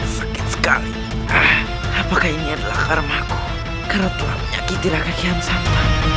sekali apakah ini adalah karmaku keretelah menyakiti rakyat yang sama